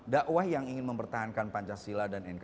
dakwah yang ingin mempertahankan pancasila dan nkri